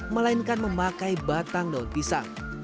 melainkan memakai batang daun pisang